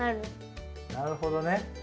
なるほどね。